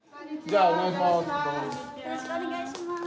じゃあお願いします。